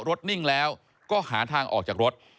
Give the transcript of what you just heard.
นิ่งแล้วก็หาทางออกจากรถ